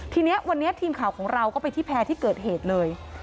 ทีนี้วันนี้ทีมข่าวของเราก็ไปที่แพร่ที่เกิดเหตุเลย